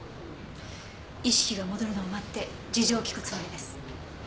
意識が戻るのを待って事情を聞くつもりです。